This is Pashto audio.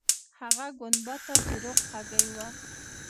هغه ګنبده د رخ هګۍ وه.